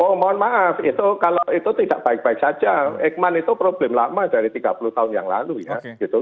oh mohon maaf itu kalau itu tidak baik baik saja eikman itu problem lama dari tiga puluh tahun yang lalu ya gitu